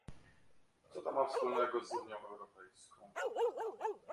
Co to ma wspólnego z Unią Europejską